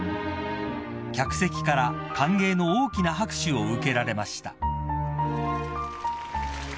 ［客席から歓迎の大きな拍手を受けられました］